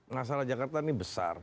masalah jakarta ini besar